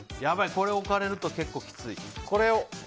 これ置かれると結構きつい。